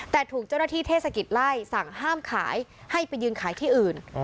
แต่ถูกเจ้าหน้าที่เทศกิจไล่สั่งห้ามขายให้ไปยืนขายที่อื่น